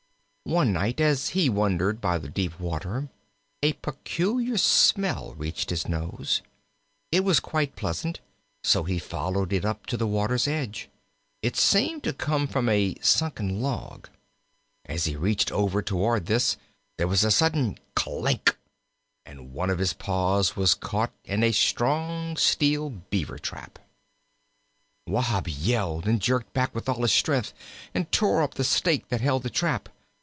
One night as he wandered by the deep water a peculiar smell reached his nose. It was quite pleasant, so he followed it up to the water's edge. It seemed to come from a sunken log. As he reached over toward this, there was a sudden clank, and one of his paws was caught in a strong, steel Beaver trap. [Illustration: "WAHB YELLED AND JERKED BACK."] Wahb yelled and jerked back with all his strength, and tore up the stake that held the trap.